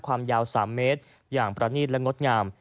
ความยาว๓เมตรอย่างประนีตและงดงาม